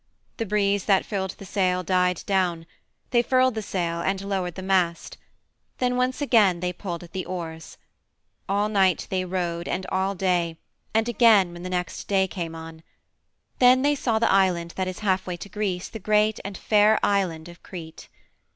The breeze that filled the sail died down; they furled the sail and lowered the mast; then, once again, they pulled at the oars. All night they rowed, and all day, and again when the next day came on. Then they saw the island that is halfway to Greece the great and fair island of Crete.